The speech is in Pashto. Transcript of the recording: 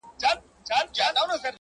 زما په مرگ به خلک ولي خوښېدلای؛